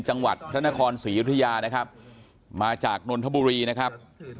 จังหวัดพระนครศรียุธยานะครับมาจากนนทบุรีนะครับ